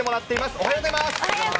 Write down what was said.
おはようございます。